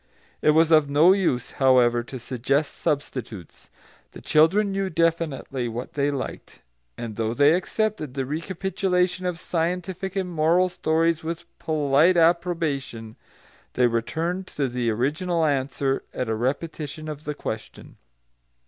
It was of no use, however, to suggest substitutes. The children knew definitely what they liked, and though they accepted the recapitulation of scientific and moral stories with polite approbation, they returned to the original answer at a repetition of the question.